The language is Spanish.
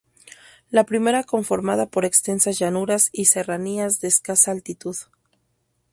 La primera conformada por extensas llanuras y serranías de escasa altitud.